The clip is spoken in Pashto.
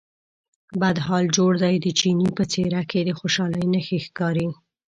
بد حال جوړ دی، د چیني په څېره کې د خوشالۍ نښې ښکارې.